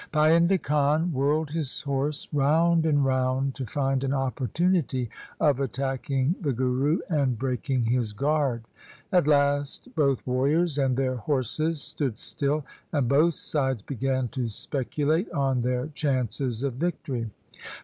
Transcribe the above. Painda Khan whirled his horse round and round to find an opportunity of attacking the Guru and breaking his guard. At last both warriors and their horses stood still, and both sides began to speculate on their chances of victory.